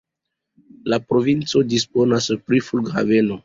La provinco disponas pri flughaveno.